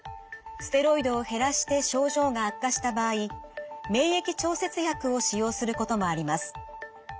ステロイドを減らして症状が悪化した場合免疫調節薬を使用することもあります。